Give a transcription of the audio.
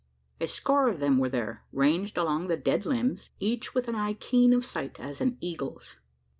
A score of them there were ranged along the dead limbs each with an eye keen of sight as an eagle's!